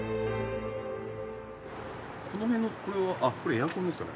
この辺のこれはこれエアコンですかね？